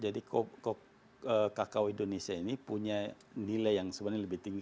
jadi kakao indonesia ini punya nilai yang sebenarnya lebih tinggi